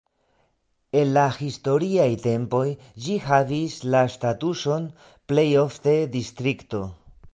En la historiaj tempoj ĝi havis la statuson plej ofte distrikto.